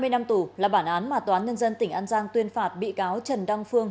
hai mươi năm tù là bản án mà toán nhân dân tỉnh an giang tuyên phạt bị cáo trần đăng phương